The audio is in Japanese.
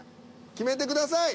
決めてください。